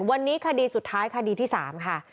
วันนี้คดีสุดท้ายคดีที่๓ค่ะ